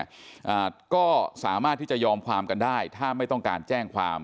อ่าก็สามารถที่จะยอมความกันได้ถ้าไม่ต้องการแจ้งความ